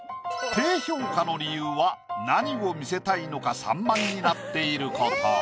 低評価の理由は何を見せたいのか散漫になっていること。